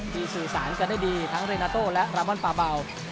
สื่อสารกันได้ดีทั้งเรนาโต้และรามอนปาเบา